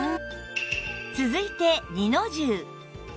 続いて二の重